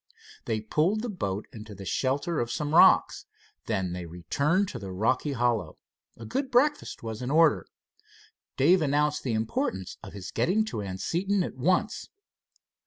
They pulled the boat into the shelter of some rocks. Then they returned to the rocky hollow. A good breakfast was in order. Dave announced the importance of his getting to Anseton at once.